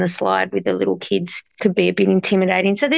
a sd memiliki jatuh bahan textying untuk